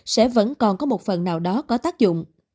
sẽ vẫn còn có một phần nào đó có tác dụng